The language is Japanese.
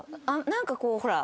なんかこうほら。